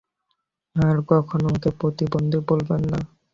আর কখনও ওকে প্রতিবন্ধী বলবেন না।